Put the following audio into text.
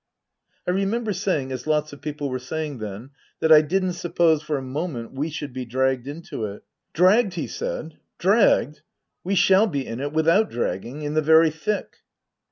I remember saying, as lots of people were saying then, that I didn't suppose for a moment we should be dragged into it. " Dragged ?" he said. " Dragged ? We shall be in it without dragging in the very thick."